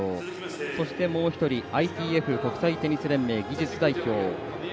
そして、ＩＴＦ＝国際テニス連盟技術代表